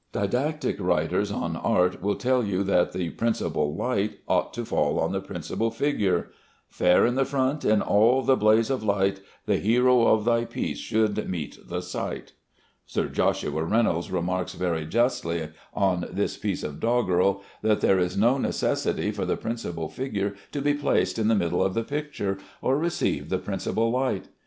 Didactic writers on art will tell you that the principal light ought to fall on the principal figure "Fair in the front in all the blaze of light, The hero of thy piece should meet the sight." Sir Joshua Reynolds remarks very justly on this piece of doggerel, that there is no necessity for the principal figure to be placed in the middle of the picture, or receive the principal light.